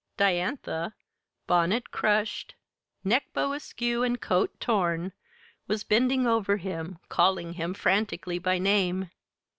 Diantha, bonnet crushed, neck bow askew, and coat torn, was bending over him, calling him frantically by name.